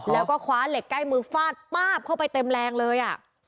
แล้วก็คว้าเหล็กใกล้มือฟาดป๊าบเข้าไปเต็มแรงเลย